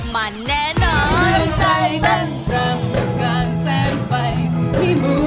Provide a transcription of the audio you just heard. มันแน่นอน